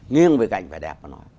nghiêng về cạnh phải đẹp mà nói